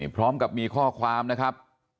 พร้อมกับมีข้อความนะครับ